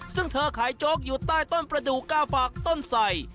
ซึ่งเธอขายโจ๊กอยู่ใต้ต้นประดูก้าฝากต้นใส่